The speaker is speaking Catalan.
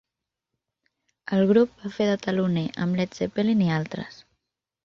El grup va fer de teloner amb Led Zeppelin i altres.